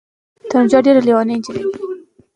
دوی غوښتل چي افغانستان یو حایل دولت وي.